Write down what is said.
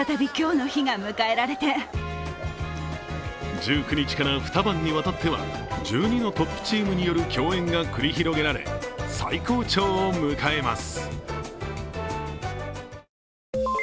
１９日から２晩にわたっては１２のトップチームによる競演が繰り広げられ、最高潮を迎えます。